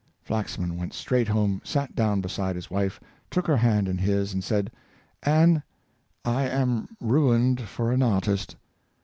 Flaxman went straight home, sat down beside his wife, took her hand in his, and said, " Ann, I am ruined for an artist."